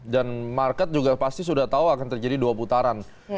dan market juga pasti sudah tahu akan terjadi dua putaran